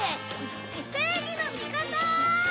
正義の味方！